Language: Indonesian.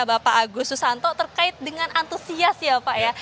bapak agus susanto terkait dengan antusias ya pak ya